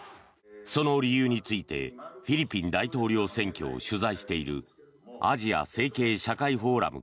その理由についてフィリピン大統領選挙を取材しているアジア政経社会フォーラム